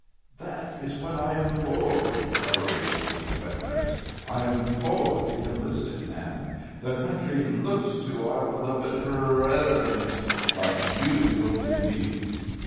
" That is what I am for I " perorated the wet nurse. " I am for the enlisted man. The coun try looks to our beloved Purresident, but you look to me.